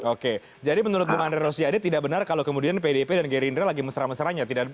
oke jadi menurut bu andre rosiade tidak benar kalau kemudian pdp dan geri indra lagi mesra mesranya